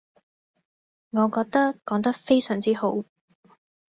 我覺得講得非常之好